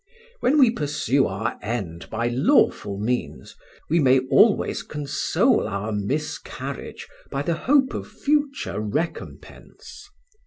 When we pursue our end by lawful means, we may always console our miscarriage by the hope of future recompense.